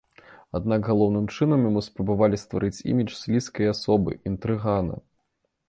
Аднак галоўным чынам яму спрабавалі стварыць імідж слізкай асобы, інтрыгана.